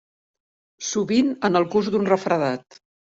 Sovint en el curs d'un refredat.